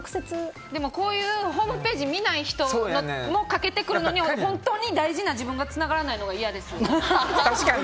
でもこういうホームページを見てない人もかけてくるのに本当に大事な自分がつながらないのが嫌です。